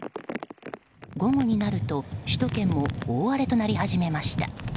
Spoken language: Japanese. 午後になると、首都圏も大荒れとなり始めました。